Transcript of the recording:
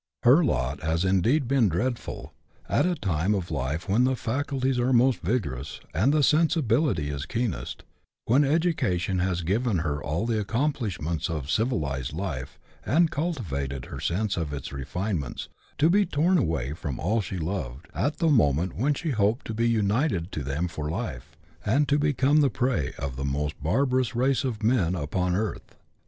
Her lot has indeed been dreadful. At a time of life when the faculties are most vigorous, and the sensibility is keenest, when education had given her all the accomplishments of civil ized life, and cultivated her sense of its refinements, to be torn away from all she loved, at the moment when she hoped to be united to them for life, and to become the prey of the most bar barous race of men upon earth.